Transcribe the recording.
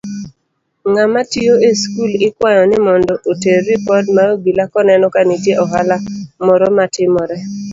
Ng'amatiyo eskul ikwayo nimondo oter ripot ne obila koneno kanitie ohala moro matimore.